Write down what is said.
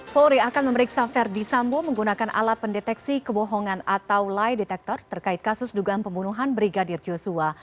polri akan memeriksa verdi sambo menggunakan alat pendeteksi kebohongan atau lie detector terkait kasus dugaan pembunuhan brigadir joshua